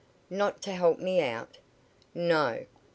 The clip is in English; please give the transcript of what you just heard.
"Not to help me out?" "No!"